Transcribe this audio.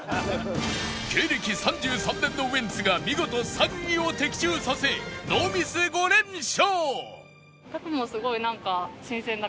芸歴３３年のウエンツが見事３位を的中させノーミス５連勝